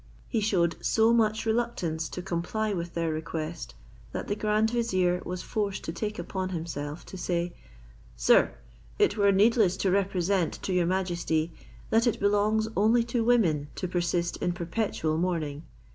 He shewed so much reluctance to comply with their request, that the grand vizier was forced to take upon himself to say; "Sir, it were needless to represent to your majesty, that it belongs only to women to persist in perpetual mourning.